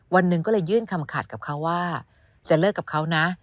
วันหนึ่งก็เลยยื่นคำขัดกับเขาว่าจะเลิกกับเขานะ